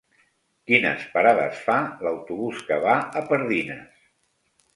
Quines parades fa l'autobús que va a Pardines?